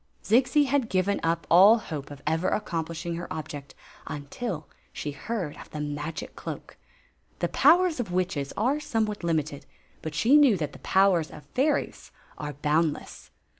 Zixi had given up all hope of ever accomplishing her object until she heard of the magic cloak. The powers of witches are somewhat limited; but she knew that the powers of fairies are boundless.